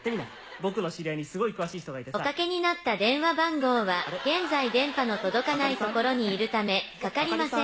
僕の知り合いに、おかけになった電話番号は現在電波の届かない所にいるため、かかりません。